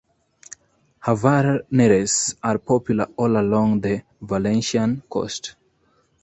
Havaneres are popular all along the Valencian coast.